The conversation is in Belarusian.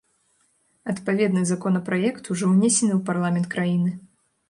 Адпаведны законапраект ўжо ўнесены у парламент краіны.